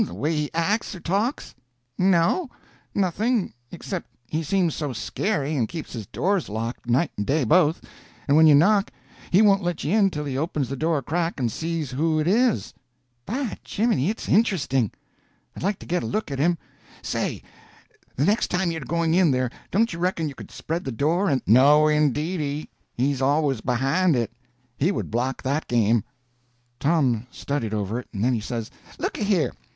—the way he acts or talks?" "No—nothing, except he seems so scary, and keeps his doors locked night and day both, and when you knock he won't let you in till he opens the door a crack and sees who it is." "By jimminy, it's int'resting! I'd like to get a look at him. Say—the next time you're going in there, don't you reckon you could spread the door and—" "No, indeedy! He's always behind it. He would block that game." Tom studied over it, and then he says: "Looky here.